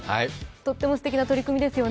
とってもすてきな取り組みですよね。